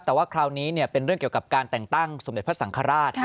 แต่ว่าคราวนี้เป็นเรื่องเกี่ยวกับการแต่งตั้งสมเด็จพระสังฆราช